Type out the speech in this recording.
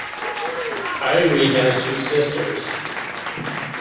Irie has two sisters.